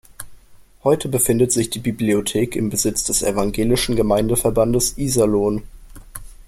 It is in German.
Heute befindet sich die Bibliothek im Besitz des evangelischen Gemeindeverbandes Iserlohn.